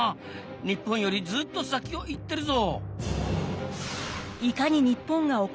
日本よりずっと先を行ってるぞ。